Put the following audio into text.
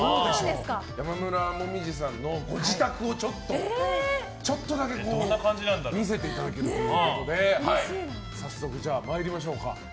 山村紅葉さんのご自宅をちょっとだけ見せていただけるということで早速参りましょうか。